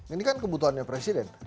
ini kan kebutuhannya presiden